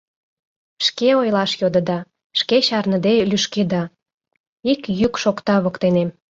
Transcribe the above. Шке ойлаш йодыда, шке чарныде лӱшкеда! — ик йӱк шокта воктенем.